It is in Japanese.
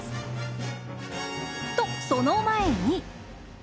とその前に。